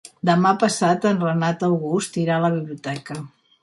Demà passat en Renat August irà a la biblioteca.